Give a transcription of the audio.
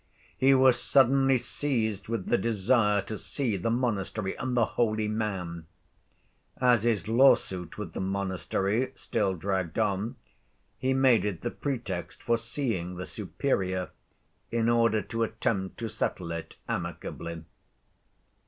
He was suddenly seized with the desire to see the monastery and the holy man. As his lawsuit with the monastery still dragged on, he made it the pretext for seeing the Superior, in order to attempt to settle it amicably.